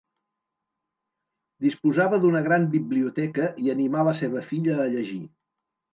Disposava d'una gran biblioteca i animà la seva filla a llegir.